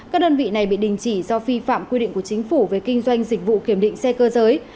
các đơn vị này bị đình chỉ do vi phạm quy định của chính phủ về kinh doanh dịch vụ kiểm định xe cơ giới